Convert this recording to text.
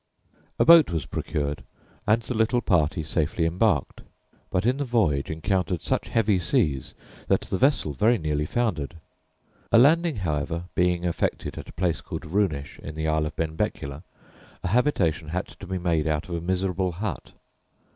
] A boat was procured, and the little party safely embarked, but in the voyage encountered such heavy seas that the vessel very nearly foundered; a landing, however, being effected at a place called Roonish, in the Isle of Benbecula, a habitation had to be made out of a miserable hut.